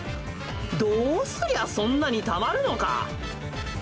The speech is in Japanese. どうすりゃそんなにたまるのか。